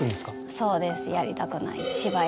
そうですやりたくない。